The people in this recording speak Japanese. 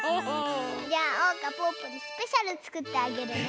じゃあおうかぽぅぽにスペシャルつくってあげるね！